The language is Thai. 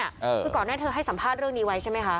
คือก่อนหน้าเธอให้สัมภาษณ์เรื่องนี้ไว้ใช่ไหมคะ